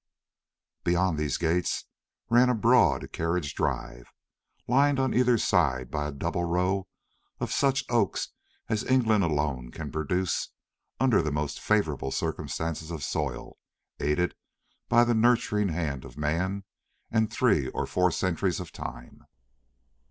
Beyond these gates ran a broad carriage drive, lined on either side by a double row of such oaks as England alone can produce under the most favourable circumstances of soil, aided by the nurturing hand of man and three or four centuries of time.